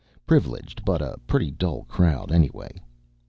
Privileged but a pretty dull crowd anyway.